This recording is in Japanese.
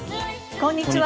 こんにちは。